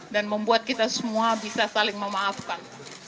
dan membuat kita semua bisa saling memaafkan